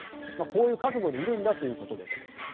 こういう覚悟でいるんだということです。